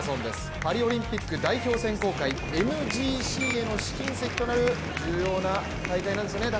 パリオリンピック代表選考会ＭＧＣへの試金石となる重要な大会なんですよね。